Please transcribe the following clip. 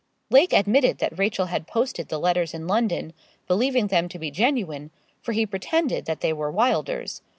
Lake admitted that Rachel had posted the letters in London, believing them to be genuine, for he pretended that they were Wylder's.